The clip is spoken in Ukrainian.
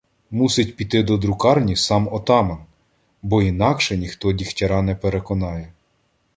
Мусить піти до друкарні сам отаман, бо інакше ніхто Дігтяра не переконає.